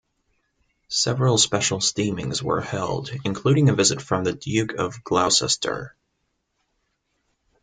Several special steamings were held, including a visit from the Duke of Gloucester.